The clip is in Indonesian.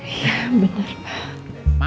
iya bener pak